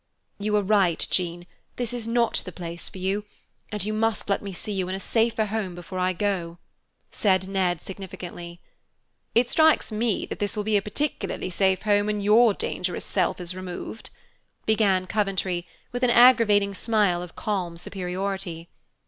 "You are right, Jean, this is not the place for you; and you must let me see you in a safer home before I go," said Ned, significantly. "It strikes me that this will be a particularly safe home when your dangerous self is removed," began Coventry, with an aggravating smile of calm superiority.